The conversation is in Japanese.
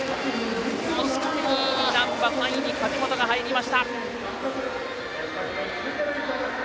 ２位に難波３位に梶本が入りました。